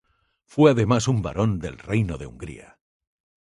Fue además un barón del reino de Hungría.